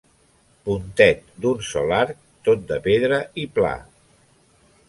Pontet d'un sol arc tot de pedra i pla.